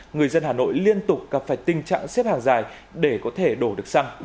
người dân hà nội liên tục gặp phải tình trạng xếp hàng dài để có thể đổ được xăng